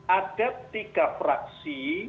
ada tiga fraksi